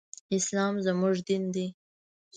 اسلام زمونږ دين دی.